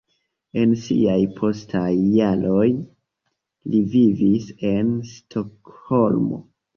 En siaj postaj jaroj li vivis en Stokholmo.